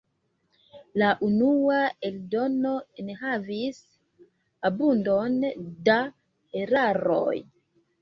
La unua eldono enhavis abundon da eraroj.